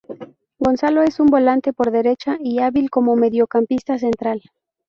Gonzalo es un volante por derecha y hábil como mediocampista central.